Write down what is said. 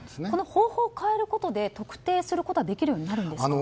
方法を変えることで特定することはできるようになるんですか？